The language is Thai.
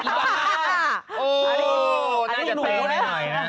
โอ้นี่หนูได้ไหม